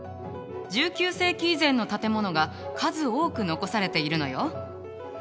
１９世紀以前の建物が数多く残されているのよ。